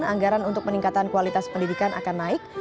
anggaran untuk peningkatan kualitas pendidikan akan naik